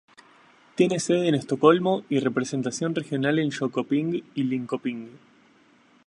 Tiene sede en Estocolmo y representación regional en Jönköping y Linköping.